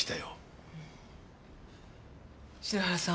篠原さん